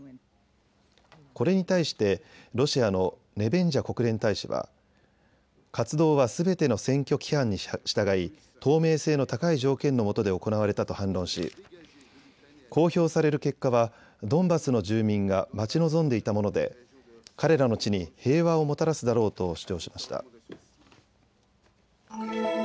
これに対してロシアのネベンジャ国連大使は活動はすべての選挙規範に従い透明性の高い条件のもとで行われたと反論し公表される結果はドンバスの住民が待ち望んでいたもので彼らの地に平和をもたらすだろうと主張しました。